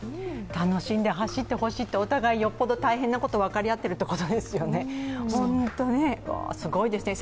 楽しんで走ってほしいって、お互い、よっぽど大変なことが分かっているということですよね。